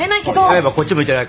やいばこっち向いてないか？